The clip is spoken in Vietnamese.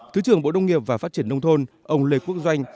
thứ trưởng bộ nông nghiệp và phát triển nông thôn ông lê quốc doanh